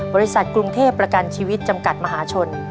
บริษัทกรุงเทพประกันชีวิตจำกัดมหาชน